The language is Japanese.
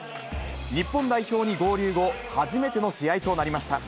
日本代表に合流後、初めての試合となりました。